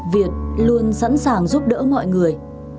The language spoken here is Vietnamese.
việt luôn sẵn sàng giúp đỡ mọi người